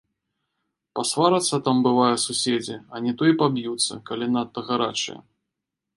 Пасварацца там, бывае, суседзі, а не то і паб'юцца, калі надта гарачыя.